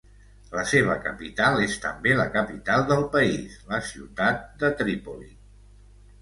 La seva capital és també la capital del país, la ciutat de Trípoli.